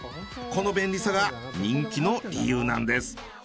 この便利さが人気の理由なんです。